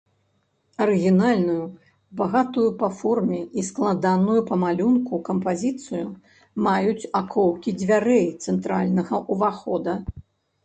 Арыгінальную, багатую па форме і складаную па малюнку кампазіцыю маюць акоўкі дзвярэй цэнтральнага ўвахода.